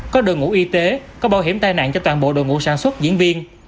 có đội ngũ y tế có bảo hiểm tai nạn cho toàn bộ đội ngũ sản xuất diễn viên